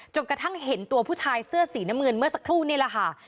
กระทั่งเห็นตัวผู้ชายเสื้อสีน้ำเงินเมื่อสักครู่นี่แหละค่ะ